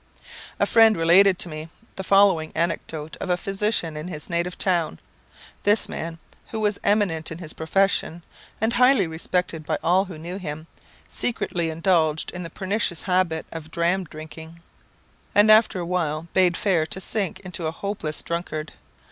A friend related to me the following anecdote of a physician in his native town: This man, who was eminent in his profession, and highly respected by all who knew him, secretly indulged in the pernicious habit of dram drinking, and after a while bade fair to sink into a hopeless drunkard.